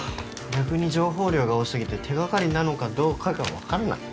逆に情報量が多過ぎて手掛かりなのかどうかが分からない。